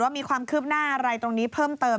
มีความคืบหน้าอะไรตรงนี้เพิ่มเติม